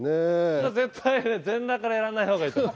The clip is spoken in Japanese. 絶対全裸からやらない方がいいですよ。